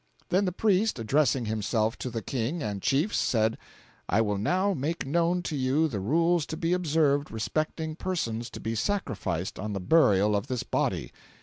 "Then the priest, addressing himself to the King and chiefs, said: 'I will now make known to you the rules to be observed respecting persons to be sacrificed on the burial of this body.